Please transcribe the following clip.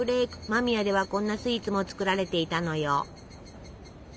間宮ではこんなスイーツも作られていたのよ。